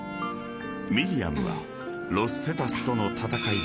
［ミリアムはロス・セタスとの戦いで］